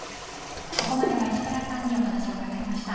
ここまでは石倉さんにお話を伺いました。